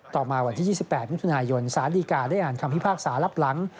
ต่อมาวันที่๒๘พฤษภาคมทุนายนศาสตรีกาได้อ่านคำพิพากษารับหลัง